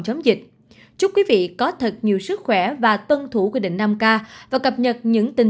chống dịch chúc quý vị có thật nhiều sức khỏe và tuân thủ quy định năm k và cập nhật những tình